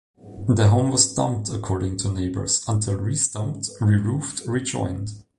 The home was "dumped" according to neighbours, until restumped, re roofed, rejoined.